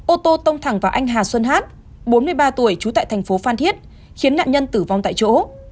ô tô tông thẳng vào anh hà xuân hát bốn mươi ba tuổi trú tại thành phố phan thiết khiến nạn nhân tử vong tại chỗ